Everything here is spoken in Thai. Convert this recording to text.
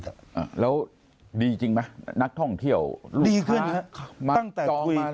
แล้วดีจริงไหมนักท่องเที่ยวลูกค้ามาก้องมาเลย